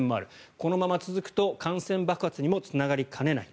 このまま続くと感染爆発にもつながりかねない。